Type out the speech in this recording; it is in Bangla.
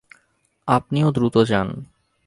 আপনিও দ্রুত যান।